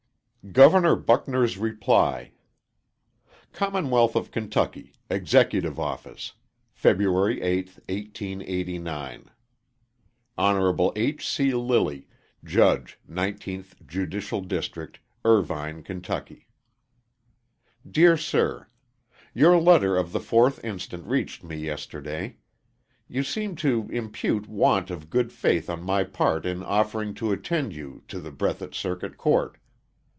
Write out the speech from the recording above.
LILLY. Governor Buckner's Reply. COMMONWEALTH OF KENTUCKY. EXECUTIVE OFFICE. Feb. 8, 1889. Hon. H. C. Lilly, Judge Nineteenth Judicial District, Irvine, Kentucky. Dear Sir: Your letter of the 4th inst. reached me yesterday. You seemed to impute want of good faith on my part in offering to attend you to the Breathitt Circuit Court.